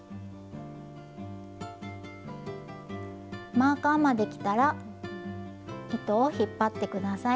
マーカーまできたら糸を引っ張って下さい。